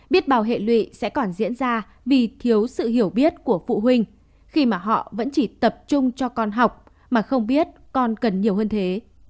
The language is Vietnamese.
biết bào hệ lụy sẽ còn diễn ra vì thiếu sự hiểu biết của phụ huynh khi mà họ vẫn chỉ tập trung cho con học mà không biết con cần nhiều hơn thế